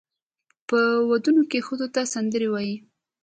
په ودونو کې ښځو ته سندرې وایي.